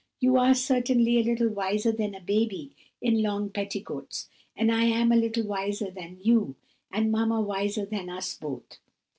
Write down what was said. You are certainly a little wiser than a baby in long petticoats, and I am a little wiser than you, and mamma wiser than us both.